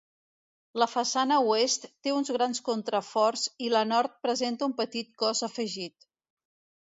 La façana oest té uns grans contraforts i la nord presenta un petit cos afegit.